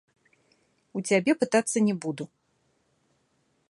У цябе пытацца не буду.